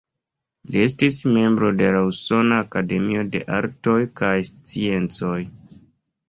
Li estis membro de la Usona Akademio de Artoj kaj Sciencoj.